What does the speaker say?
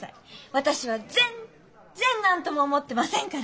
私は全っ然何とも思ってませんから。